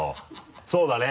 そうだね